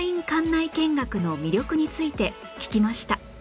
内見学の魅力について聞きました